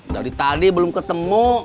dari tadi belum ketemu